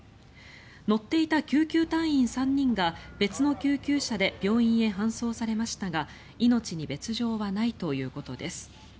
乗っていた救急隊員３人が別の救急車で病院へ搬送されましたが命に別条はないということです。